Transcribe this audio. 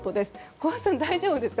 小松さん、大丈夫ですか？